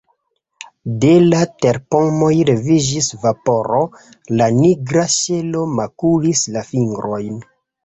De la terpomoj leviĝis vaporo, la nigra ŝelo makulis la fingrojn.